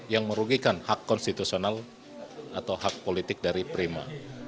yang merugikan hak konstitusional atau hak politik dari prima